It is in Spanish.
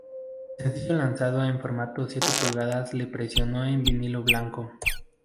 El sencillo lanzado en formato siete pulgadas se presionó en vinilo blanco.